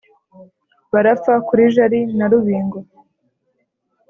barapfa kuri jari na rubingo